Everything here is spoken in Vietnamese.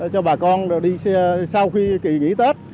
cho bà con đi xe sau khi nghỉ tết